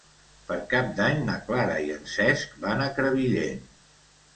Per Cap d'Any na Clara i en Cesc van a Crevillent.